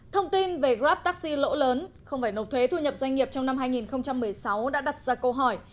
thông tin về grab taxi lỗ lớn không phải nộp thuế thu nhập doanh nghiệp trong năm hai nghìn một mươi sáu đã đặt ra câu hỏi